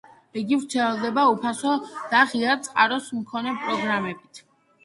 იგი ვრცელდება უფასო და ღია წყაროს მქონე პროგრამებით.